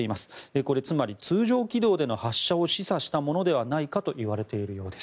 これはつまり通常軌道での発射を示唆したものではないかといわれているようです。